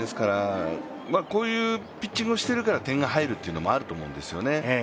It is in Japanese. こういうピッチングをしているから点が入るというのもあると思うんですよね。